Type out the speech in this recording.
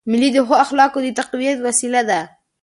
مېلې د ښو اخلاقو د تقویت وسیله دي.